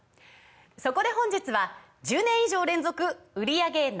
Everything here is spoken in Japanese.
そこで本日は１０年以上連続売り上げＮｏ．１